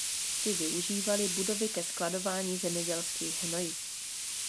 Ty využívaly budovy ke skladování zemědělských hnojiv.